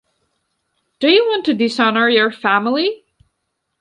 Do you want to dishonor your family?